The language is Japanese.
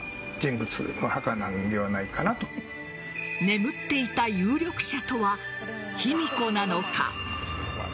眠っていた有力者とは卑弥呼なのか。